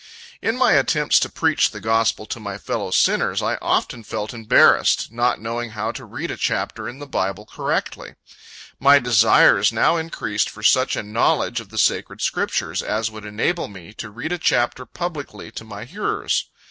In my attempts to preach the gospel to my fellow sinners, I often felt embarrassed, not knowing how to read a chapter in the Bible correctly. My desires now increased for such a knowledge of the sacred Scriptures, as would enable me to read a chapter publicly to my hearers.